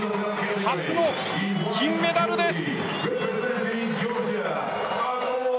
初の金メダルです。